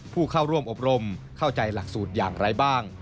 ผู้เข้าร่วมอบรมเข้าใจหลักสูตรอย่างไรบ้าง